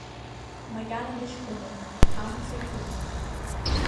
Макьана дыҷкәыноуп, амца икуп…